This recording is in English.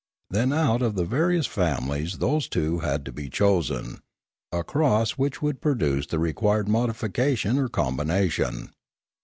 Then out of the various families those two had to be chosen, a cross which would produce the required modifica tion or combination.